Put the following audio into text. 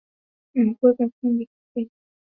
na kuweka kambi katika jiji la bashivaa